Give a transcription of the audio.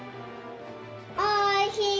おいしい！